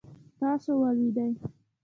تاسو ولوېدلئ؟